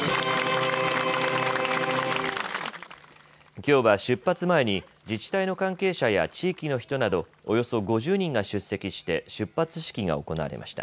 きょうは出発前に自治体の関係者や地域の人などおよそ５０人が出席して出発式が行われました。